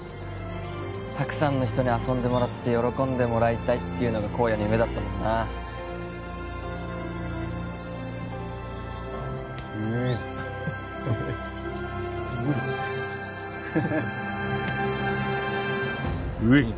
たくさんの人に遊んでもらって喜んでもらいたいっていうのが公哉の夢だったもんなウエイウエイウエイ